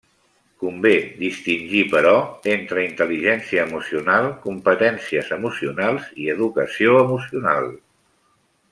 Convé distingir, però, entre intel·ligència emocional, competències emocionals i educació emocional.